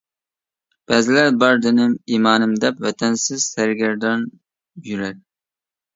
بەزىلەر بار دىنىم، ئىمانىم، دەپ ۋەتەنسىز سەرگەردان يۈرەر.